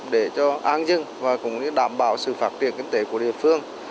để cho an dưng và cũng đảm bảo sự phát triển kinh tế của địa phương